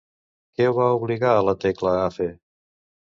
Què va obligar a la Tecla a fer?